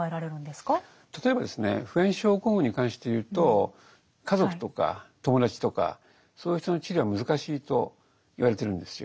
例えばですね普遍症候群に関して言うと家族とか友達とかそういう人の治療は難しいと言われてるんですよ。